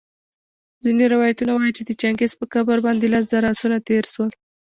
ځیني روایتونه وايي چي د چنګیز په قبر باندي لس زره آسونه تېرسول